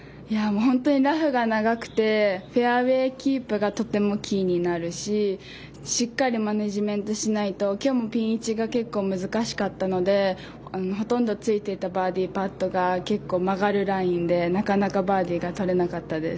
本当にラフが長くてフェアウェーキープがとてもキーになるししっかりマネージメントしないと今日もピン位置が結構、難しかったのでほとんどついていたバーディーパットが結構、曲がるラインでなかなか、バーディーがとれなかったです。